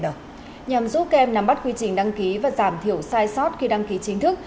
nhằm giúp kem nắm bắt quy trình đăng ký và giảm thiểu sai sót khi đăng ký chính thức